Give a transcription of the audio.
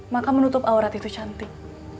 maka menutup aurat itu cantik